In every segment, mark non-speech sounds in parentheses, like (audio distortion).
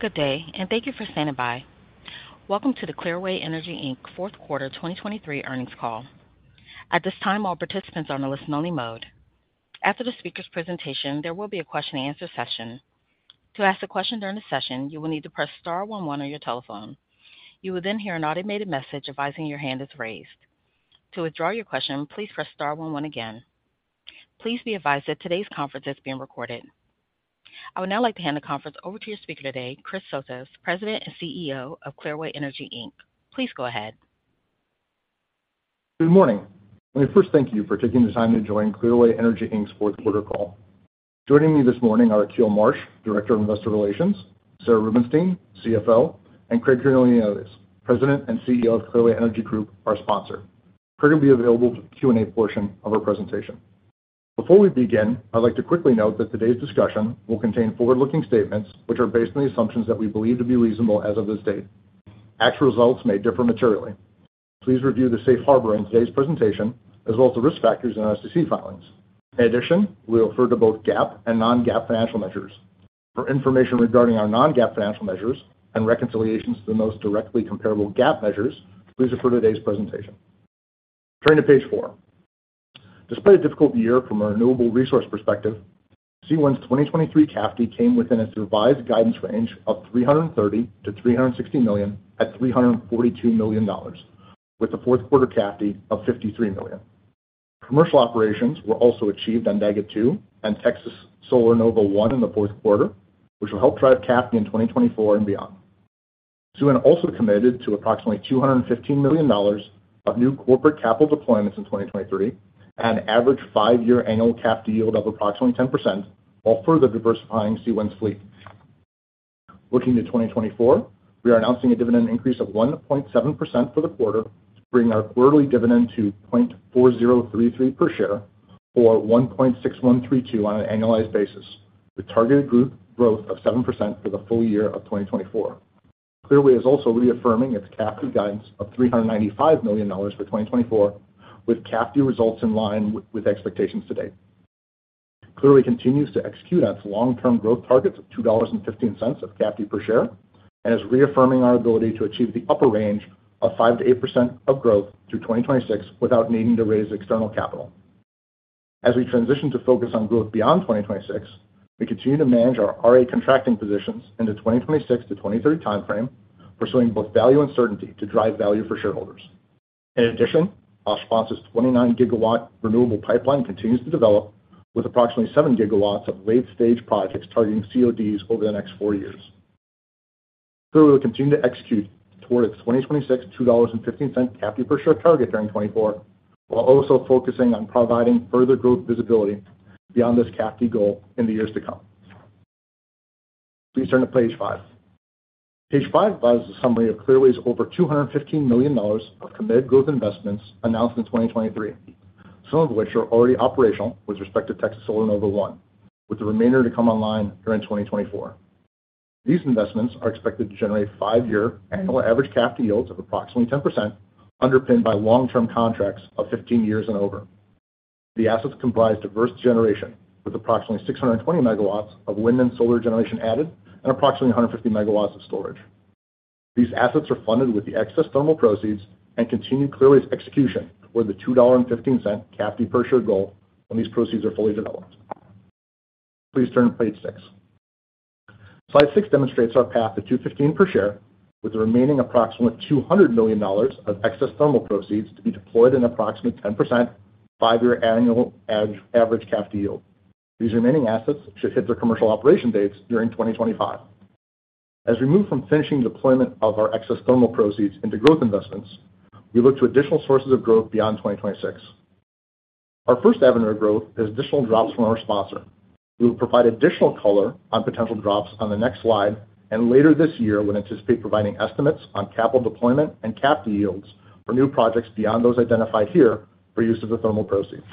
Good Day, and Thank you for standing by. Welcome to the Clearway Energy, Inc. Fourth Quarter 2023 Earnings Call. At this time, all participants are on a listen-only mode. After the speaker's presentation, there will be a question-and-answer session. To ask a question during the session, you will need to press star one one on your telephone. You will then hear an automated message advising your hand is raised. To withdraw your question, please press star one one again. Please be advised that today's conference is being recorded. I would now like to hand the conference over to your speaker today, Chris Sotos, President and CEO of Clearway Energy, Inc. Please go ahead. Good morning. Let me first thank you for taking the time to join Clearway Energy, Inc.'s fourth quarter call. Joining me this morning are Akil Marsh, Director of Investor Relations, Sarah Rubenstein, CFO, and Craig Cornelius, President and CEO of Clearway Energy Group, our sponsor. Craig will be available for the Q&A portion of our presentation. Before we begin, I'd like to quickly note that today's discussion will contain forward-looking statements which are based on the assumptions that we believe to be reasonable as of this date. Actual results may differ materially. Please review the safe harbor in today's presentation as well as the risk factors in our SEC filings. In addition, we refer to both GAAP and non-GAAP financial measures. For information regarding our non-GAAP financial measures and reconciliations to the most directly comparable GAAP measures, please refer to today's presentation. Turning to page four. Despite a difficult year from a renewable resource perspective, CWEN's 2023 CAFD came within its revised guidance range of $330 million-$360 million at $342 million, with the fourth quarter CAFD of $53 million. Commercial operations were also achieved on Daggett 2 and Texas Solar Nova 1 in the fourth quarter, which will help drive CAFD in 2024 and beyond. CWEN also committed to approximately $215 million of new corporate capital deployments in 2023 and an average five-year annual CAFD yield of approximately 10%, while further diversifying CWEN's fleet. Looking to 2024, we are announcing a dividend increase of 1.7% for the quarter, bringing our quarterly dividend to 0.4033 per share or 1.6132 on an annualized basis, with targeted group growth of 7% for the full year of 2024. Clearway is also reaffirming its CAFD guidance of $395 million for 2024, with CAFD results in line with expectations to date. Clearway continues to execute on its long-term growth targets of $2.15 of CAFD per share and is reaffirming our ability to achieve the upper range of 5%-8% of growth through 2026 without needing to raise external capital. As we transition to focus on growth beyond 2026, we continue to manage our RA contracting positions in the 2026 to 2030 timeframe, pursuing both value and certainty to drive value for shareholders. In addition, our sponsor's 29-gigawatt renewable pipeline continues to develop, with approximately 7 gigawatts of late-stage projects targeting CODs over the next four years. Clearway will continue to execute toward its 2026 $2.15 CAFD per share target during 2024, while also focusing on providing further growth visibility beyond this CAFD goal in the years to come. Please turn to page five. Page five provides a summary of Clearway's over $215 million of committed growth investments announced in 2023, some of which are already operational with respect to Texas Solar Nova 1, with the remainder to come online during 2024. These investments are expected to generate five-year annual average CAFD yields of approximately 10%, underpinned by long-term contracts of 15 years and over. The assets comprise diverse generation, with approximately 620 MW of wind and solar generation added and approximately 150 MW of storage. These assets are funded with the excess thermal proceeds and continue Clearway's execution toward the $2.15 CAFD per share goal when these proceeds are fully developed. Please turn to page six. Slide six demonstrates our path to $2.15 per share, with the remaining approximately $200 million of excess thermal proceeds to be deployed in approximately 10% five-year annual average CAFD yield. These remaining assets should hit their commercial operation dates during 2025. As we move from finishing the deployment of our excess thermal proceeds into growth investments, we look to additional sources of growth beyond 2026. Our first avenue of growth is additional drops from our sponsor. We will provide additional color on potential drops on the next slide and later this year when we anticipate providing estimates on capital deployment and CAFD yields for new projects beyond those identified here for use of the thermal proceeds.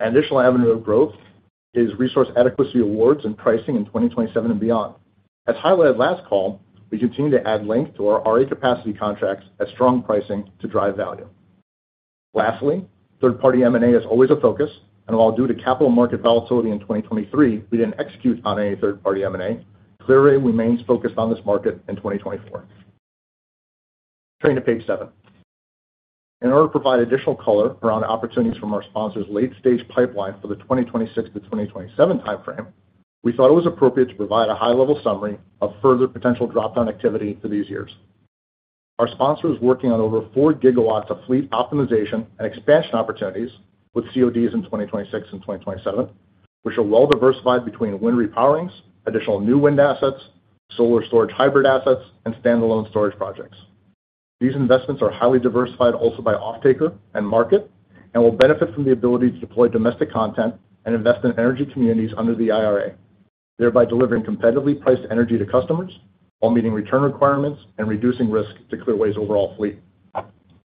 An additional avenue of growth is resource adequacy awards and pricing in 2027 and beyond. As highlighted last call, we continue to add length to our RA capacity contracts at strong pricing to drive value. Lastly, third-party M&A is always a focus, and while due to capital market volatility in 2023, we didn't execute on any third-party M&A, Clearway remains focused on this market in 2024. Turning to page seven. In order to provide additional color around opportunities from our sponsor's late-stage pipeline for the 2026 to 2027 timeframe, we thought it was appropriate to provide a high-level summary of further potential drop-down activity for these years. Our sponsor is working on over 4 GW of fleet optimization and expansion opportunities with CODs in 2026 and 2027, which are well diversified between wind repowerings, additional new wind assets, solar storage hybrid assets, and standalone storage projects. These investments are highly diversified also by off-taker and market and will benefit from the ability to deploy domestic content and invest in energy communities under the IRA, thereby delivering competitively priced energy to customers, while meeting return requirements and reducing risk to Clearway's overall fleet.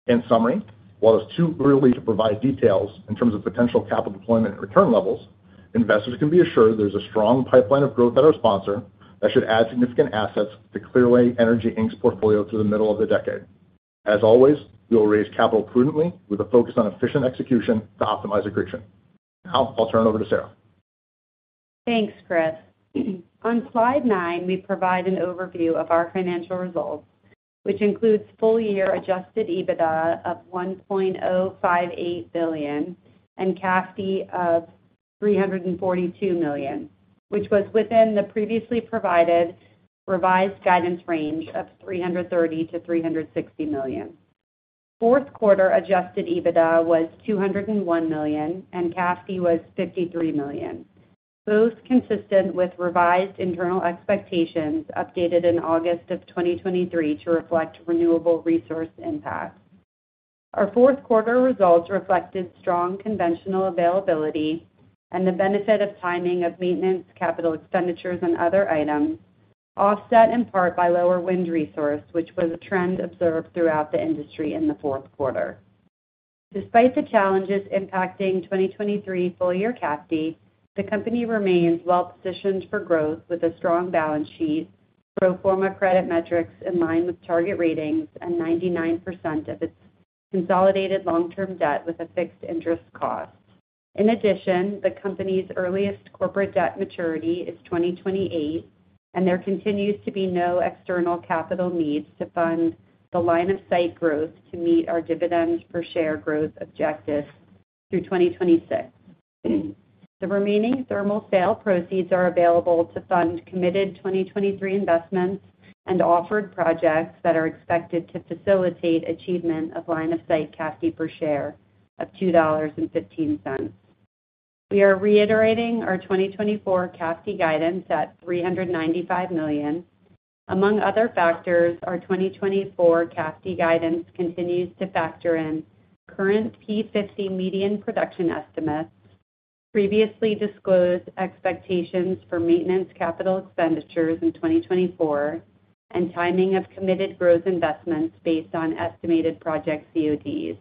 In summary, while it's too early to provide details in terms of potential capital deployment and return levels, investors can be assured there's a strong pipeline of growth at our sponsor that should add significant assets to Clearway Energy, Inc.'s portfolio through the middle of the decade. As always, we will raise capital prudently with a focus on efficient execution to optimize accretion. Now I'll turn over to Sarah. Thanks, Chris. On slide nine, we provide an overview of our financial results, which includes full-year Adjusted EBITDA of $1.058 billion and CAFD of $342 million, which was within the previously provided revised guidance range of $330 million-$360 million. Fourth quarter Adjusted EBITDA was $201 million, and CAFD was $53 million, both consistent with revised internal expectations updated in August of 2023 to reflect renewable resource impacts. Our fourth quarter results reflected strong conventional availability and the benefit of timing of maintenance capital expenditures and other items, offset in part by lower wind resource, which was a trend observed throughout the industry in the fourth quarter. Despite the challenges impacting 2023 full-year CAFD, the company remains well-positioned for growth with a strong balance sheet, pro forma credit metrics in line with target ratings, and 99% of its consolidated long-term debt with a fixed interest cost. In addition, the company's earliest corporate debt maturity is 2028, and there continues to be no external capital needs to fund the line-of-sight growth to meet our dividend per share growth objectives through 2026. The remaining thermal sale proceeds are available to fund committed 2023 investments and offered projects that are expected to facilitate achievement of line-of-sight CAFD per share of $2.15. We are reiterating our 2024 CAFD guidance at $395 million. Among other factors, our 2024 CAFD guidance continues to factor in current P50 median production estimates, previously disclosed expectations for maintenance capital expenditures in 2024, and timing of committed growth investments based on estimated project CODs,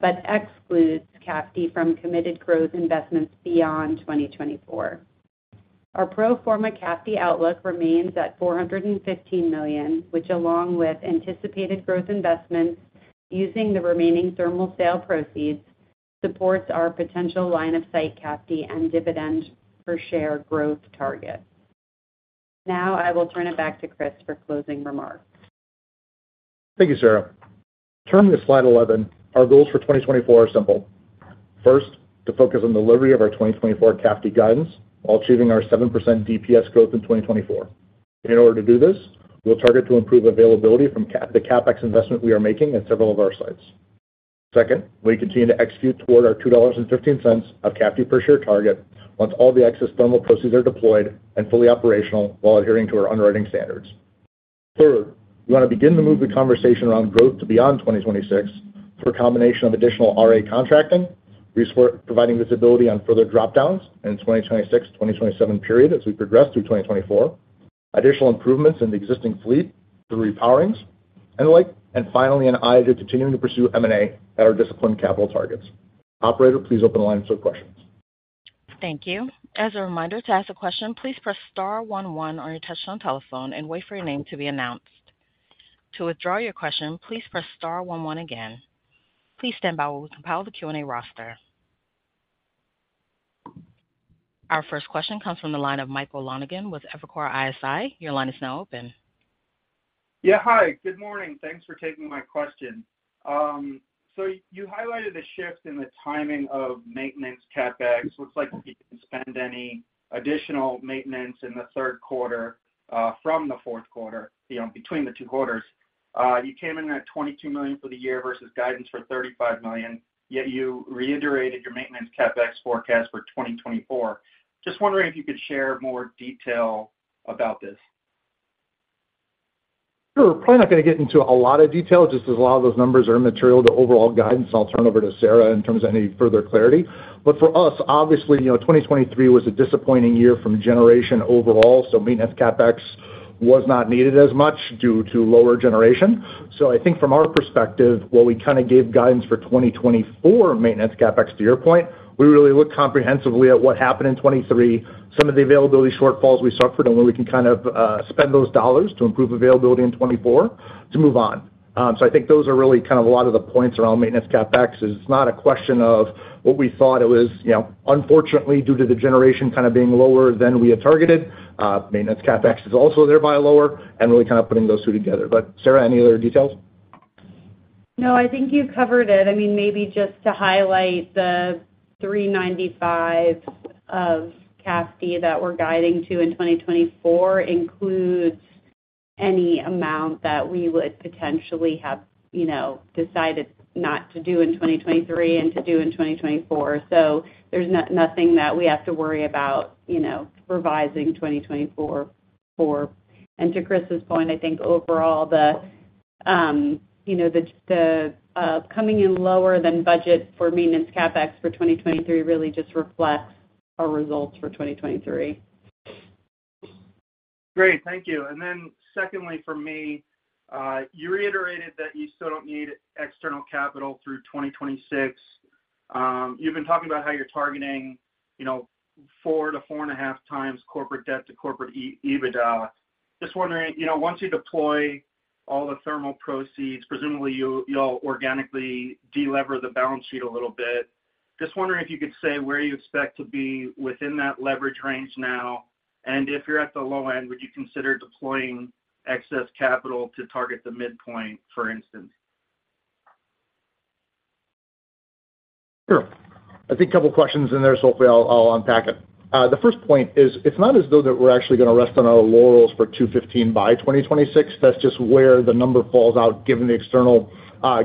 but excludes CAFD from committed growth investments beyond 2024. Our pro forma CAFD outlook remains at $415 million, which, along with anticipated growth investments using the remaining thermal sale proceeds, supports our potential line-of-sight CAFD and dividend per share growth target. Now I will turn it back to Chris for closing remarks. Thank you, Sarah. Turning to slide 11, our goals for 2024 are simple. First, to focus on delivery of our 2024 CAFD guidance while achieving our 7% DPS growth in 2024. In order to do this, we'll target to improve availability from the CapEx investment we are making at several of our sites. Second, we continue to execute toward our $2.15 of CAFD per share target once all the excess thermal proceeds are deployed and fully operational while adhering to our underwriting standards. Third, we want to begin to move the conversation around growth to beyond 2026 through a combination of additional RA contracting, providing visibility on further drop-downs in the 2026-2027 period as we progress through 2024, additional improvements in the existing fleet through repowerings, and finally, an eye to continuing to pursue M&A at our disciplined capital targets. Operator, please open the line for questions. Thank you. As a reminder, to ask a question, please press star one one on your touchscreen telephone and wait for your name to be announced. To withdraw your question, please press star one one again. Please stand by while we compile the Q&A roster. Our first question comes from the line of Michael Lonegan with Evercore ISI. Your line is now open. Yeah, hi. Good morning. Thanks for taking my question. So you highlighted a shift in the timing of maintenance CapEx, looks like you didn't spend any additional maintenance in the third quarter from the fourth quarter, between the two quarters. You came in at $22 million for the year versus guidance for $35 million, yet you reiterated your maintenance CapEx forecast for 2024. Just wondering if you could share more detail about this? Sure. Probably not going to get into a lot of detail, just as a lot of those numbers are immaterial to overall guidance. I'll turn over to Sarah in terms of any further clarity. But for us, obviously, 2023 was a disappointing year from generation overall, so maintenance CapEx was not needed as much due to lower generation. So I think from our perspective, while we kind of gave guidance for 2024 maintenance CapEx to your point, we really looked comprehensively at what happened in 2023, some of the availability shortfalls we suffered, and where we can kind of spend those dollars to improve availability in 2024 to move on. So I think those are really kind of a lot of the points around maintenance CapEx. It's not a question of what we thought it was. Unfortunately, due to the generation kind of being lower than we had targeted, maintenance CapEx is also thereby lower and really kind of putting those two together. But Sarah, any other details? No, I think you covered it. I mean, maybe just to highlight, the $395 million of CAFD that we're guiding to in 2024 includes any amount that we would potentially have decided not to do in 2023 and to do in 2024. So there's nothing that we have to worry about revising 2024 for. And to Chris's point, I think overall, the coming in lower than budget for maintenance CapEx for 2023 really just reflects our results for 2023. Great. Thank you. Then secondly for me, you reiterated that you still don't need external capital through 2026. You've been talking about how you're targeting 4-4.5x corporate debt to corporate EBITDA. Just wondering, once you deploy all the thermal proceeds, presumably you'll organically delever the balance sheet a little bit. Just wondering if you could say where you expect to be within that leverage range now, and if you're at the low end, would you consider deploying excess capital to target the midpoint, for instance? Sure. I think a couple of questions in there, so hopefully I'll unpack it. The first point is it's not as though that we're actually going to rest on our laurels for 215 by 2026. That's just where the number falls out given the external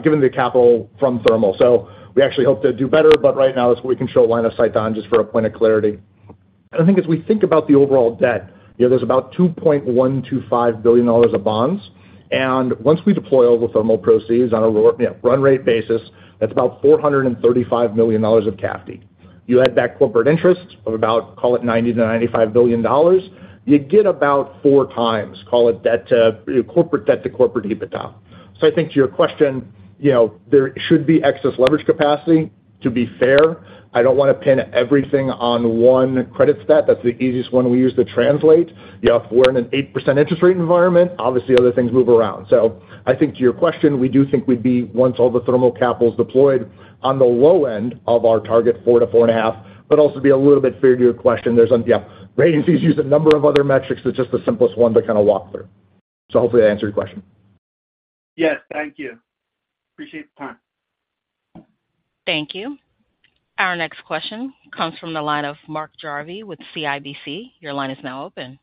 given the capital from thermal. So we actually hope to do better, but right now that's what we can show line of sight on just for a point of clarity. And I think as we think about the overall debt, there's about $2.125 billion of bonds. And once we deploy all the thermal proceeds on a run-rate basis, that's about $435 million of CAFD. You add back corporate interests of about, call it, $90 billion-$95 billion. You get about four times, call it, corporate debt to corporate EBITDA. So I think to your question, there should be excess leverage capacity. To be fair, I don't want to pin everything on one credit stat. That's the easiest one we use to translate. If we're in an 8% interest rate environment, obviously, other things move around. So I think to your question, we do think we'd be, once all the thermal capital's deployed, on the low end of our target 4-4.5, but also be a little bit fair to your question. Yeah, rating agencies use a number of other metrics. It's just the simplest one to kind of walk through. So hopefully that answered your question. Yes. Thank you. Appreciate the time. Thank you. Our next question comes from the line of Mark Jarvi with CIBC. Your line is now open.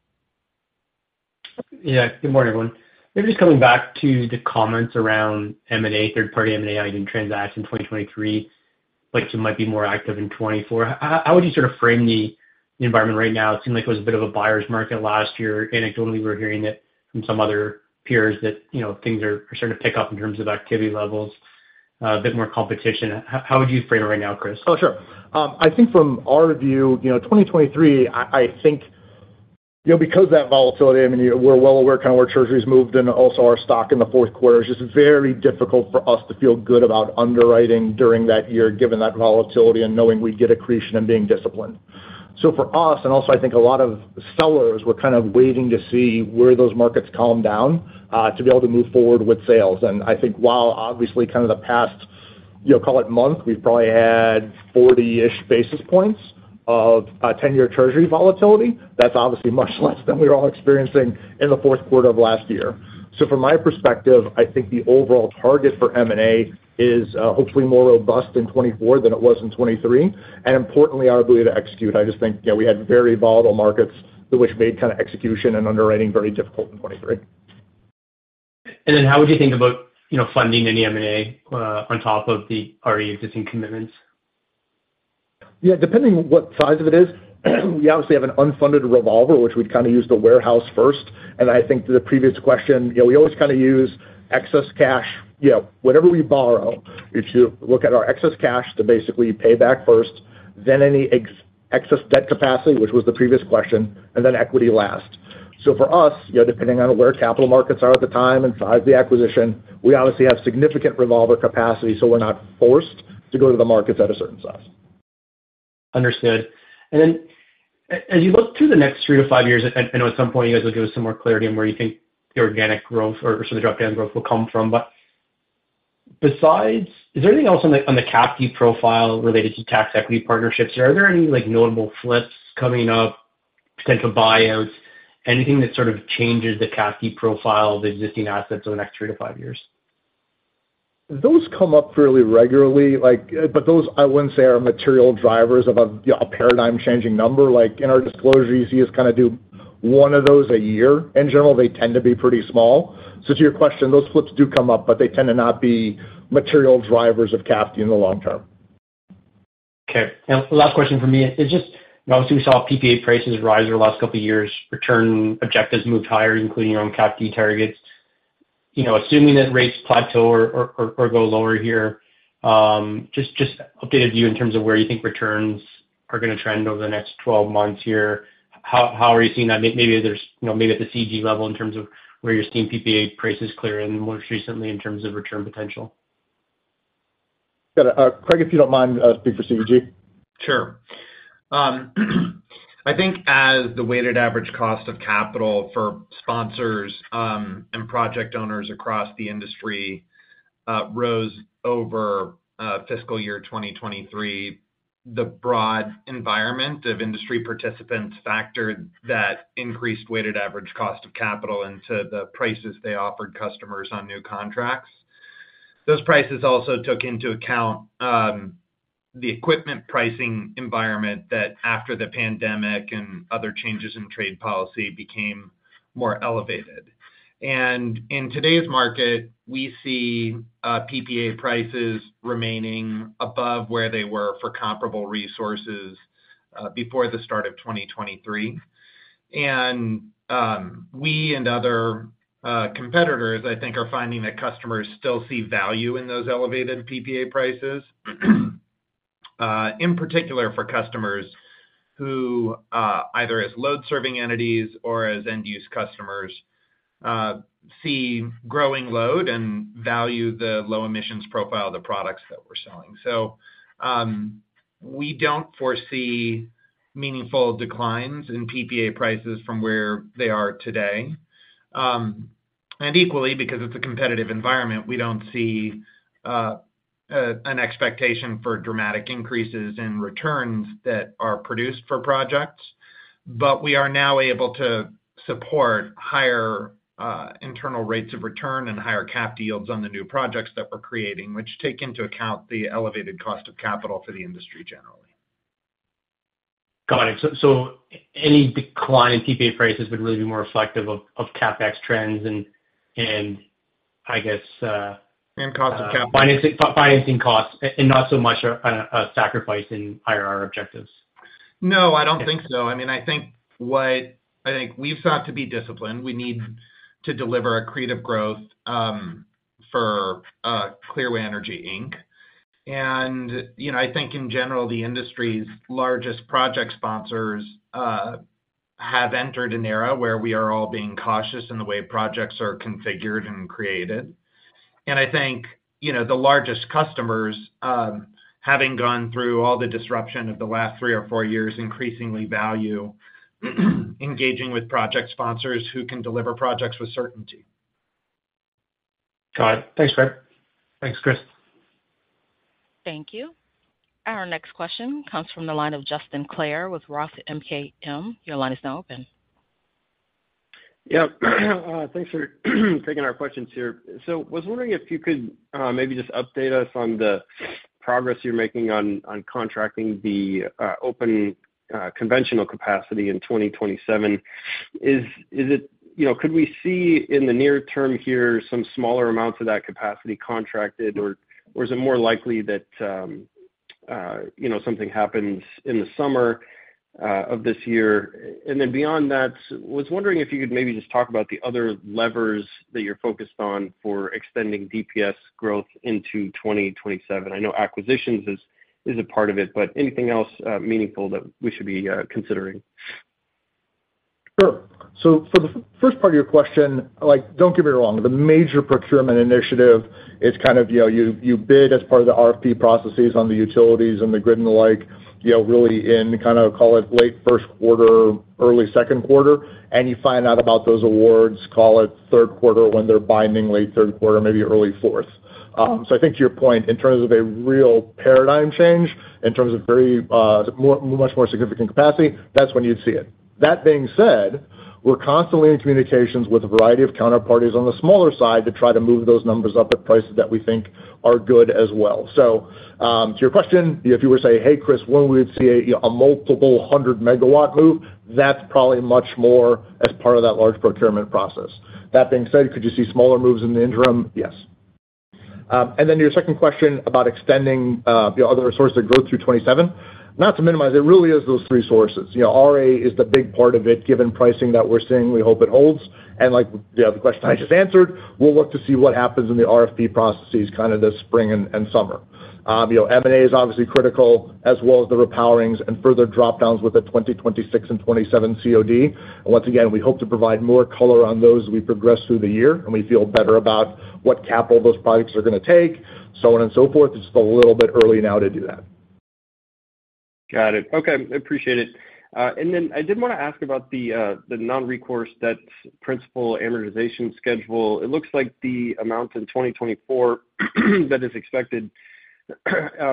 Yeah. Good morning, everyone. Maybe just coming back to the comments around third-party M&A and transaction in 2023, which might be more active in 2024. How would you sort of frame the environment right now? It seemed like it was a bit of a buyer's market last year. Anecdotally, we were hearing from some other peers that things are starting to pick up in terms of activity levels, a bit more competition. How would you frame it right now, Chris? Oh, sure. I think from our view, 2023, I think because of that volatility, I mean, we're well aware kind of where treasuries moved and also our stock in the fourth quarter. It's just very difficult for us to feel good about underwriting during that year given that volatility and knowing we'd get accretion and being disciplined. So for us, and also I think a lot of sellers, we're kind of waiting to see where those markets calm down to be able to move forward with sales. And I think while, obviously, kind of the past, call it, month, we've probably had 40-ish basis points of 10-year treasury volatility, that's obviously much less than we were all experiencing in the fourth quarter of last year. From my perspective, I think the overall target for M&A is hopefully more robust in 2024 than it was in 2023 and, importantly, our ability to execute. I just think we had very volatile markets which made kind of execution and underwriting very difficult in 2023. How would you think about funding any M&A on top of the already existing commitments? Yeah. Depending on what size of it is, we obviously have an unfunded revolver, which we'd kind of use to warehouse first. And I think to the previous question, we always kind of use excess cash, whatever we borrow. If you look at our excess cash, to basically pay back first, then any excess debt capacity, which was the previous question, and then equity last. So for us, depending on where capital markets are at the time and the size of the acquisition, we obviously have significant revolver capacity, so we're not forced to go to the markets at a certain size. Understood. Then as you look through the next three to five years, I know at some point you guys will give us some more clarity on where you think the organic growth or sort of the drop-down growth will come from. But is there anything else on the CAFD profile related to tax equity partnerships? Are there any notable flips coming up, potential buyouts, anything that sort of changes the CAFD profile of existing assets over the next three to five years? Those come up fairly regularly, but those, I wouldn't say, are material drivers of a paradigm-changing number. In our disclosure, you see us kind of do one of those a year. In general, they tend to be pretty small. So to your question, those flips do come up, but they tend to not be material drivers of CAFD in the long term. Okay. Last question for me. Obviously, we saw PPA prices rise over the last couple of years. Return objectives moved higher, including your own CAFD targets. Assuming that rates plateau or go lower here, just updated view in terms of where you think returns are going to trend over the next 12 months here, how are you seeing that? Maybe at the CEG level in terms of where you're seeing PPA prices clearer than most recently in terms of return potential. (audio distortion) Craig, if you don't mind, speak for CEG. Sure. I think as the weighted average cost of capital for sponsors and project owners across the industry rose over fiscal year 2023, the broad environment of industry participants factored that increased weighted average cost of capital into the prices they offered customers on new contracts. Those prices also took into account the equipment pricing environment that, after the pandemic and other changes in trade policy, became more elevated. In today's market, we see PPA prices remaining above where they were for comparable resources before the start of 2023. We and other competitors, I think, are finding that customers still see value in those elevated PPA prices, in particular for customers who, either as load-serving entities or as end-use customers, see growing load and value the low emissions profile of the products that we're selling. So we don't foresee meaningful declines in PPA prices from where they are today. And equally, because it's a competitive environment, we don't see an expectation for dramatic increases in returns that are produced for projects. But we are now able to support higher internal rates of return and higher CAFD yields on the new projects that we're creating, which take into account the elevated cost of capital for the industry generally. Got it. So any decline in PPA prices would really be more reflective of CapEx trends and, I guess. (crosstalk) Financing costs and not so much a sacrifice in IRR objectives? No, I don't think so. I mean, I think we've sought to be disciplined. We need to deliver a creative growth for Clearway Energy, Inc. And I think, in general, the industry's largest project sponsors have entered an era where we are all being cautious in the way projects are configured and created. And I think the largest customers, having gone through all the disruption of the last three or four years, increasingly value engaging with project sponsors who can deliver projects with certainty. Got it. Thanks, Craig. Thanks, Chris. Thank you. Our next question comes from the line of Justin Clare with Roth MKM. Your line is now open. Yep. Thanks for taking our questions here. I was wondering if you could maybe just update us on the progress you're making on contracting the open conventional capacity in 2027. Could we see in the near term here some smaller amounts of that capacity contracted, or is it more likely that something happens in the summer of this year? Then beyond that, I was wondering if you could maybe just talk about the other levers that you're focused on for extending DPS growth into 2027. I know acquisitions is a part of it, but anything else meaningful that we should be considering? Sure. So for the first part of your question, don't get me wrong, the major procurement initiative, it's kind of you bid as part of the RFP processes on the utilities and the grid and the like, really in kind of, call it, late first quarter, early second quarter. And you find out about those awards, call it third quarter, when they're binding, late third quarter, maybe early fourth. So I think to your point, in terms of a real paradigm change, in terms of much more significant capacity, that's when you'd see it. That being said, we're constantly in communications with a variety of counterparties on the smaller side to try to move those numbers up at prices that we think are good as well. So to your question, if you were to say, "Hey, Chris, when would we see a multiple 100-MW move?" That's probably much more as part of that large procurement process. That being said, could you see smaller moves in the interim? Yes. And then your second question about extending other sources of growth through 2027, not to minimize, it really is those three sources. RA is the big part of it. Given pricing that we're seeing, we hope it holds. And the question I just answered, we'll look to see what happens in the RFP processes kind of this spring and summer. M&A is obviously critical, as well as the repowerings and further dropdowns with the 2026 and 2027 COD. Once again, we hope to provide more color on those as we progress through the year, and we feel better about what capital those projects are going to take, so on and so forth. It's just a little bit early now to do that. Got it. Okay. Appreciate it. And then I did want to ask about the non-recourse debt principal amortization schedule. It looks like the amount in 2024 that is expected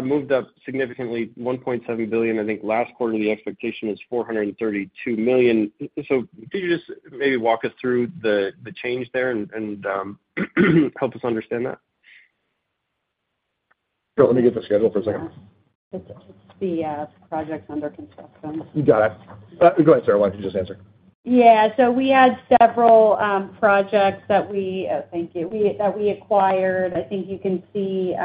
moved up significantly, $1.7 billion. I think last quarter, the expectation is $432 million. So could you just maybe walk us through the change there and help us understand that? Sure. Let me get the schedule for a second. It's the projects under construction. Got it. Go ahead, Sarah. Why don't you just answer? Yeah. So we had several projects that we thank you that we acquired. I think you can see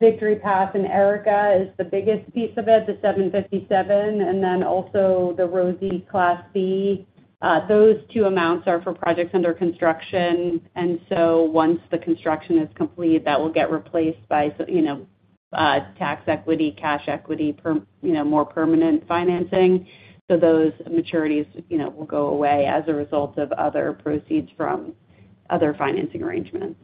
Victory Pass and Arica is the biggest piece of it, the 757, and then also the Rosamond Class B. Those two amounts are for projects under construction. And so once the construction is complete, that will get replaced by tax equity, cash equity, more permanent financing. So those maturities will go away as a result of other proceeds from other financing arrangements.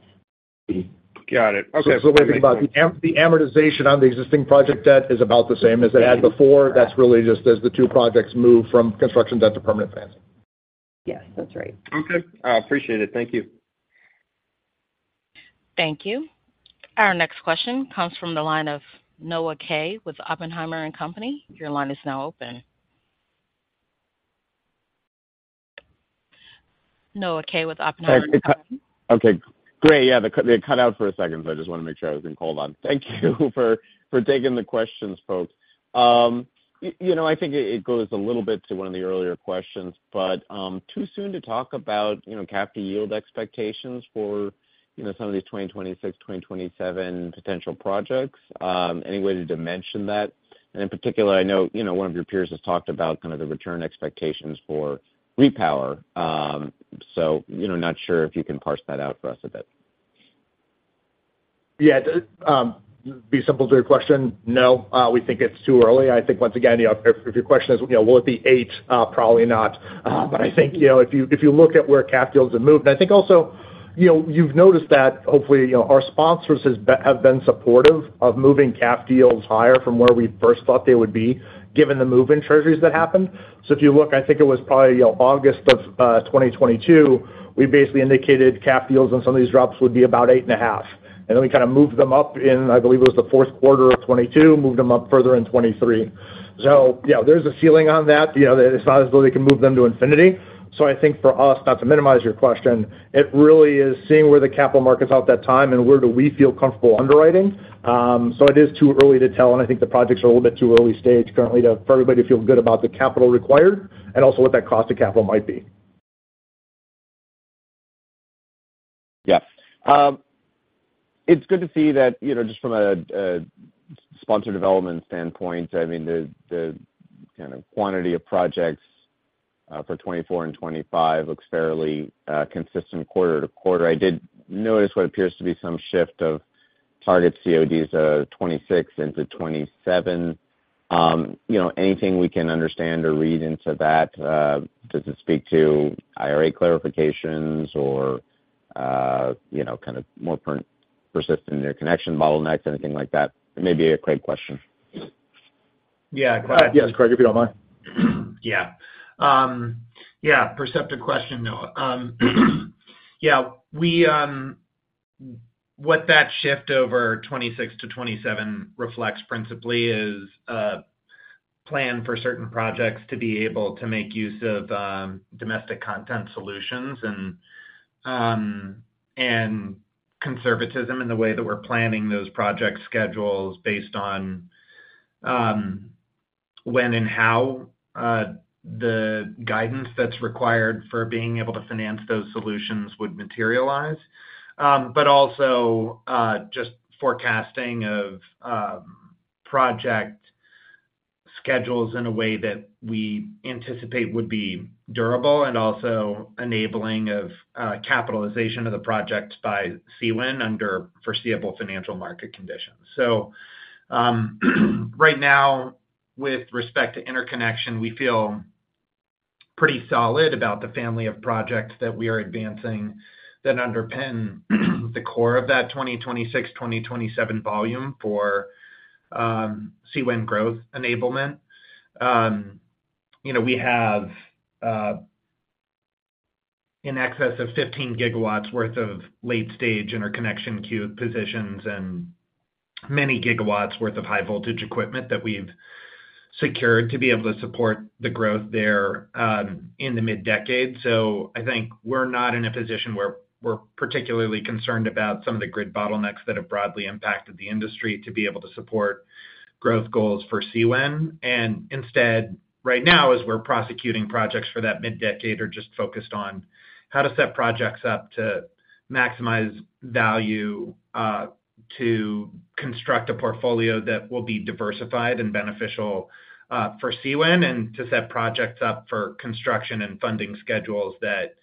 Got it. Okay. What we're thinking about, the amortization on the existing project debt is about the same as it had before. That's really just as the two projects move from construction debt to permanent financing. Yes. That's right. Okay. Appreciate it. Thank you. Thank you. Our next question comes from the line of Noah Kaye with Oppenheimer & Company. Your line is now open. Noah Kaye with Oppenheimer & Company. Okay. Great. Yeah. They cut out for a second, so I just want to make sure I was being called on. Thank you for taking the questions, folks. I think it goes a little bit to one of the earlier questions, but too soon to talk about CAFD yield expectations for some of these 2026, 2027 potential projects, any way to dimension that? And in particular, I know one of your peers has talked about kind of the return expectations for repower. So not sure if you can parse that out for us a bit. Yeah. To be simple to your question, no. We think it's too early. I think, once again, if your question is, "Will it be eight?" Probably not. But I think if you look at where CAFD yields have moved and I think also you've noticed that, hopefully, our sponsors have been supportive of moving CAFD yields higher from where we first thought they would be given the move in treasuries that happened. So if you look, I think it was probably August of 2022, we basically indicated CAFD yields on some of these drops would be about eight and a half. And then we kind of moved them up in, I believe it was the fourth quarter of 2022, moved them up further in 2023. So there's a ceiling on that. It's not as though they can move them to infinity. So I think for us, not to minimize your question, it really is seeing where the capital market's at that time and where do we feel comfortable underwriting. So it is too early to tell. And I think the projects are a little bit too early stage currently for everybody to feel good about the capital required and also what that cost of capital might be. Yeah. It's good to see that just from a sponsor development standpoint, I mean, the kind of quantity of projects for 2024 and 2025 looks fairly consistent quarter to quarter. I did notice what appears to be some shift of target CODs of 2026 into 2027. Anything we can understand or read into that, does it speak to IRA clarifications or kind of more persistent in your connection bottlenecks, anything like that? It may be a Craig question. Yeah. (crosstalk) Craig, if you don't mind. Yeah. Yeah. Perceptive question, though. Yeah. What that shift over 2026 to 2027 reflects principally is a plan for certain projects to be able to make use of domestic content solutions and conservatism in the way that we're planning those project schedules based on when and how the guidance that's required for being able to finance those solutions would materialize, but also just forecasting of project schedules in a way that we anticipate would be durable and also enabling of capitalization of the project by CWEN under foreseeable financial market conditions. So right now, with respect to interconnection, we feel pretty solid about the family of projects that we are advancing that underpin the core of that 2026, 2027 volume for CWEN growth enablement. We have in excess of 15 gigawatts' worth of late-stage interconnection queue positions and many gigawatts' worth of high-voltage equipment that we've secured to be able to support the growth there in the mid-decade. So I think we're not in a position where we're particularly concerned about some of the grid bottlenecks that have broadly impacted the industry to be able to support growth goals for CWEN. Instead, right now, as we're prosecuting projects for that mid-decade, are just focused on how to set projects up to maximize value, to construct a portfolio that will be diversified and beneficial for CWEN, and to set projects up for construction and funding schedules that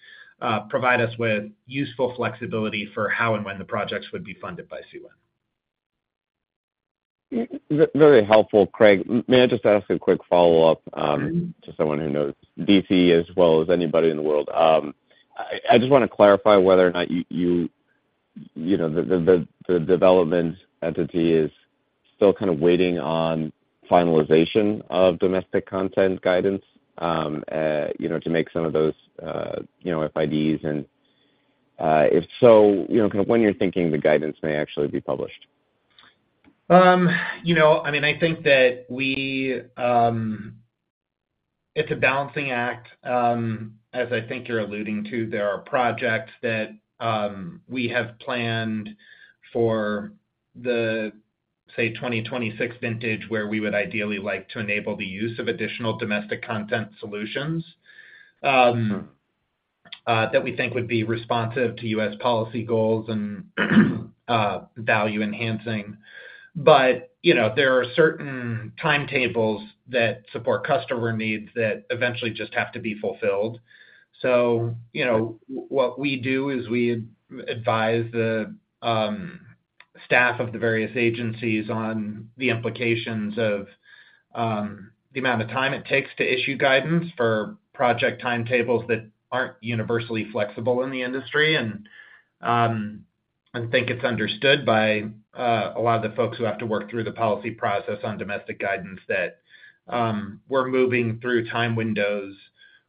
provide us with useful flexibility for how and when the projects would be funded by CWEN. Very helpful, Craig. May I just ask a quick follow-up to someone who knows D.C. as well as anybody in the world? I just want to clarify whether or not the development entity is still kind of waiting on finalization of domestic content guidance to make some of those FIDs. And if so, kind of when you're thinking the guidance may actually be published? I mean, I think that it's a balancing act. As I think you're alluding to, there are projects that we have planned for the, say, 2026 vintage where we would ideally like to enable the use of additional domestic content solutions that we think would be responsive to U.S. policy goals and value enhancing. But there are certain timetables that support customer needs that eventually just have to be fulfilled. So what we do is we advise the staff of the various agencies on the implications of the amount of time it takes to issue guidance for project timetables that aren't universally flexible in the industry. I think it's understood by a lot of the folks who have to work through the policy process on domestic guidance that we're moving through time windows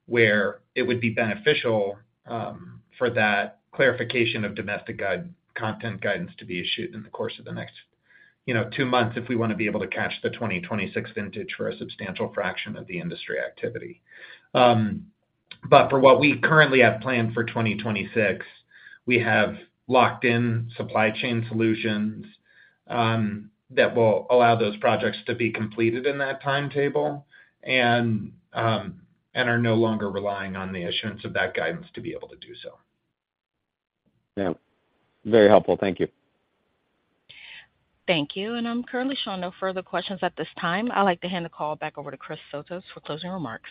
where it would be beneficial for that clarification of domestic content guidance to be issued in the course of the next two months if we want to be able to catch the 2026 vintage for a substantial fraction of the industry activity. But for what we currently have planned for 2026, we have locked-in supply chain solutions that will allow those projects to be completed in that timetable and are no longer relying on the issuance of that guidance to be able to do so. Yeah. Very helpful. Thank you. Thank you. I'm currently showing no further questions at this time. I'd like to hand the call back over to Chris Sotos for closing remarks.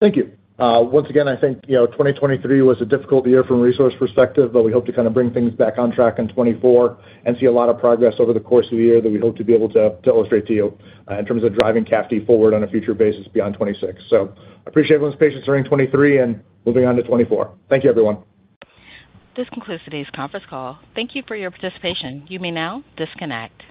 Thank you. Once again, I think 2023 was a difficult year from a resource perspective, but we hope to kind of bring things back on track in 2024 and see a lot of progress over the course of the year that we hope to be able to illustrate to you in terms of driving CAFD forward on a future basis beyond 2026. So I appreciate everyone's patience during 2023 and moving on to 2024. Thank you, everyone. This concludes today's conference call. Thank you for your participation. You may now disconnect.